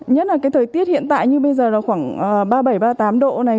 nhất là cái thời tiết hiện tại như bây giờ là khoảng ba mươi bảy ba mươi tám độ này